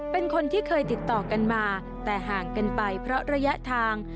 เป็นคนที่เคยติดต่อกันมาแต่ห่างกันไปเพราะระยะทาง